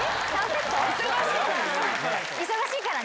忙しいから。